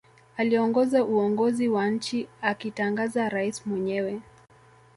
Aliongoza uongozi wa nchi akitangaza rais mwenyewe